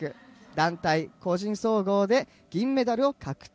団体、個人総合で銀メダルを獲得。